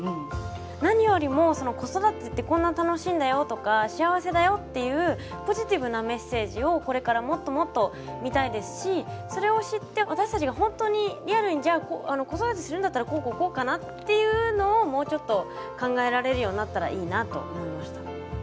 何よりも子育てってこんな楽しいんだよとか幸せだよっていうポジティブなメッセージをこれからもっともっと見たいですしそれを知って私たちが本当にリアルに子育てするんだったらこうこうこうかなっていうのをもうちょっと考えられるようになったらいいなと思いました。